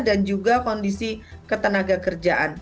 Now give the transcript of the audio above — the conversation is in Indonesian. dan juga kondisi ketenaga kerjaan